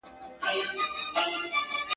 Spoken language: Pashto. چي په ژوند کي یې په خوب نه وو لیدلی !.